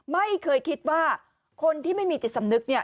ไม่เคยคิดว่าคนที่ไม่มีจิตสำนึกเนี่ย